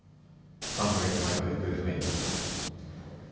３カ月前から行方不明になった。